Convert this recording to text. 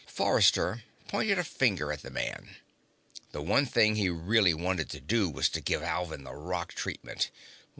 Forrester pointed a finger at the man. The one thing he really wanted to do was to give Alvin the rock treatment.